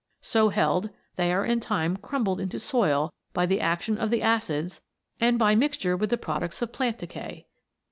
So held, they are in time crumbled into soil by the action of the acids and by mixture with the products of plant decay.